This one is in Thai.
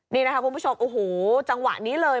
นี่นะคะคุณผู้ชมโอ้โหจังหวะนี้เลย